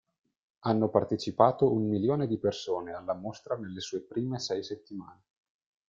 Hanno partecipato un milione di persone alla mostra nelle sue prime sei settimane.